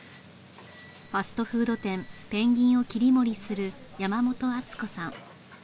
ファストフード店ペンギンを切り盛りする山本敦子さん